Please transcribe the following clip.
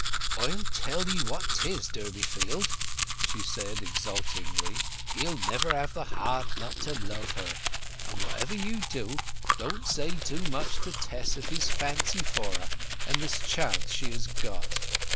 "I'll tell 'ee what 'tis, Durbeyfield," said she exultingly; "he'll never have the heart not to love her. But whatever you do, don't zay too much to Tess of his fancy for her, and this chance she has got.